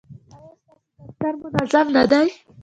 ایا ستاسو دفتر منظم نه دی؟